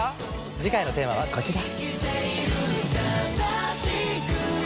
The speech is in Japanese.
次回のテーマはこちら。